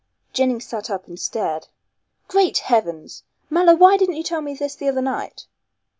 Jennings sat up and stared. "Great heavens! Mallow, why didn't you tell me this the other night?"